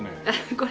これ？